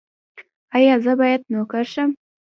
ایا زه باید نوکر شم؟